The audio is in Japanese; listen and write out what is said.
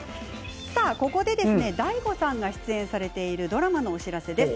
ここでＤＡＩＧＯさんが出演されているドラマのお知らせです。